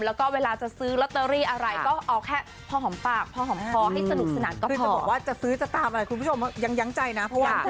แล้วก็เวลาจะซื้อลอตเตอรี่อะไรก็เอาแค่พอหอมปากพอหอมคอให้สนุกสนานก็คือจะบอกว่าจะซื้อจะตามอะไรคุณผู้ชมยังยั้งใจนะ